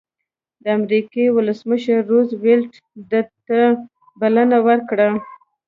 د امریکې ولسمشر روز وېلټ ده ته بلنه ورکړه.